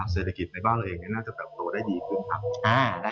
เศรษฐกิจในบ้านเราเองน่าจะโดยได้ดีกว่า